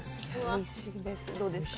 どうですか。